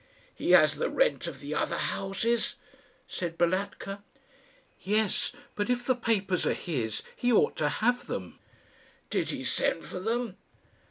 "He has the rent of the other houses," said Balatka. "Yes; but if the papers are his, he ought to have them." "Did he send for them?"